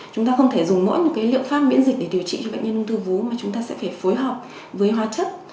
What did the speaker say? chúng ta không thể dùng mỗi một cái liệu pháp miễn dịch để điều trị cho bệnh nhân ung thư vú mà chúng ta sẽ phải phối hợp với hóa chất